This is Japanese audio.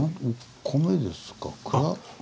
「米」ですか「蔵」？